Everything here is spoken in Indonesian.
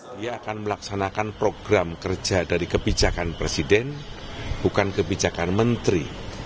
dia akan melaksanakan program kerja dari kebijakan presiden bukan kebijakan menteri